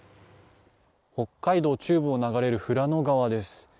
北海道中部を流れる富良野川です。